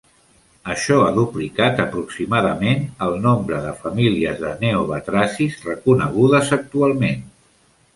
Això ha duplicat aproximadament el nombre de famílies de neobatracis reconegudes actualment.